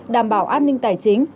đảm bảo an ninh tài chính